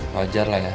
wajar lah ya